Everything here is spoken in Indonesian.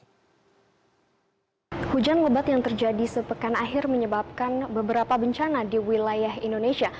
hujan lebat yang terjadi sepekan akhir menyebabkan beberapa bencana di wilayah indonesia